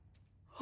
あ！